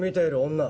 女。